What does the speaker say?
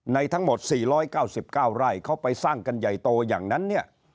ทั้งหมด๔๙๙ไร่เขาไปสร้างกันใหญ่โตอย่างนั้นเนี่ย